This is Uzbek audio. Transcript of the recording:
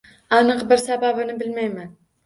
Aniq bir sababini bilmayman